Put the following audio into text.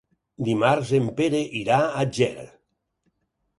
Dimarts en Pere irà a Ger.